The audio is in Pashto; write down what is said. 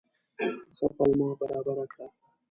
ښه پلمه برابره کړه.